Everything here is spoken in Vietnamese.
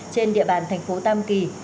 trên địa bàn thành phố tam kỳ